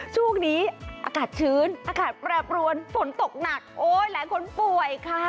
ช่วงนี้อากาศชื้นอากาศแปรปรวนฝนตกหนักโอ้ยหลายคนป่วยค่ะ